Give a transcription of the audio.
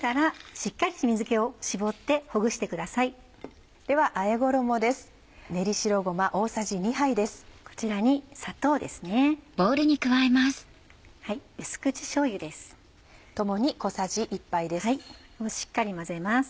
しっかり混ぜます。